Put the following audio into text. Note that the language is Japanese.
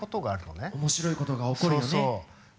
おもしろいことが起こるよね。